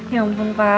ya ampun pak